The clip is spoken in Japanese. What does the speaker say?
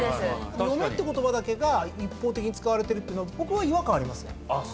嫁って言葉だけが一方的に使われてるってのは僕は違和感ありますね。